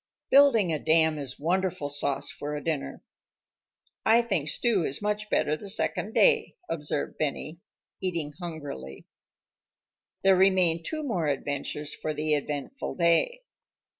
Building a dam is wonderful sauce for a dinner. "I think stew is much better the second day," observed Benny, eating hungrily. There remained two more adventures for the eventful day.